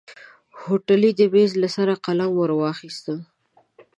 هوټلي د ميز له سره قلم ور واخيست.